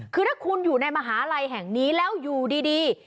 คือถ้าคุณอยู่ในมหาลัยแห่งนี้แล้วอยู่ดี